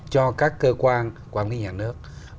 cho các cơ quan quản lý nhà nước